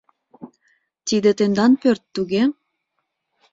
Тиде тендан пӧрт, туге?